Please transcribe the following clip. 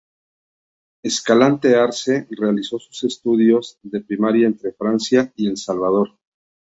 Escalante Arce realizó sus estudios de primaria entre Francia y El Salvador.